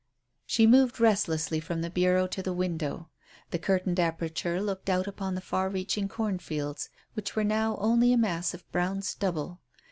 She moved restlessly from the bureau to the window. The curtained aperture looked out upon the far reaching cornfields, which were now only a mass of brown stubble.